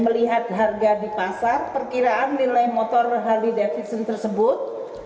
melihat harga di pasar perkiraan nilai motor harley davidson tersebut